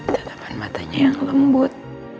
tatapan matanya yang lembut